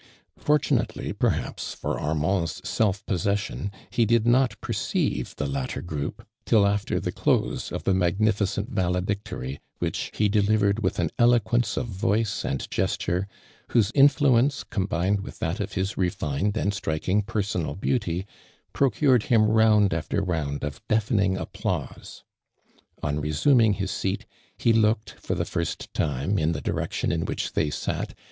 Fortunately, per haps, for Armand's self possession, he did not perceive the latt(>r group, till after the close of the magnificent valedictory, which he delivered with an eloquence of voice and gesture, whose influence, combined with that of his refined and striking personal beauty, [)rocured him round alter round of deafening ajiplause. < »n resuming his seat, he looked lor the first time in the direction in which tliey sat.